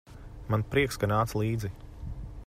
Man prieks, ka nāc līdzi.